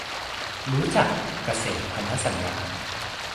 รู้จัก "เกษตรพันธสัญญา"